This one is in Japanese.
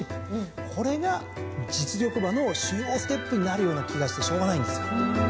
これが実力馬の主要ステップになるような気がしてしょうがないんですよ。